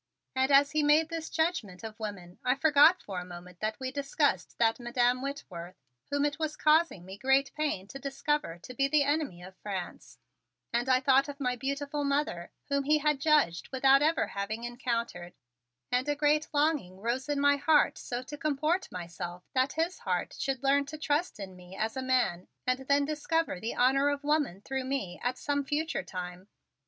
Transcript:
And as he made this judgment of women I forgot for a moment that we discussed that Madam Whitworth, whom it was causing me great pain to discover to be the enemy of France, and I thought of my beautiful mother, whom he had judged without ever having encountered, and a great longing rose in my heart so to comport myself that his heart should learn to trust in me as a man and then discover the honor of woman through me at some future time.